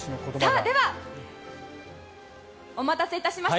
ではお待たせいたしました。